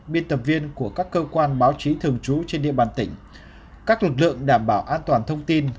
biên tập viên của các cơ quan báo chí thường trú trên địa bàn tỉnh các lực lượng đảm bảo an toàn thông tin